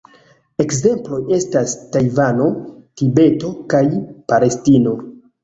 Ekzemploj estas Tajvano, Tibeto kaj Palestino.